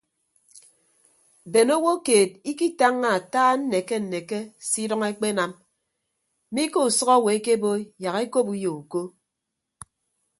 Bene owo keed ikitañña ata nneke nneke se idʌñ ekpenam mi ke usʌk owo ekebo yak ekop uyo uko.